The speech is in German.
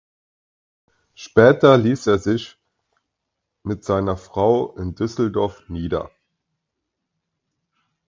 Später ließ er sich mit seiner Frau in Düsseldorf nieder.